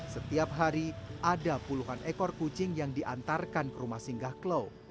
setiap hari ada puluhan ekor kucing yang diantarkan ke rumah singgah klau